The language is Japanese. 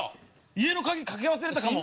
家の鍵かけ忘れたかも。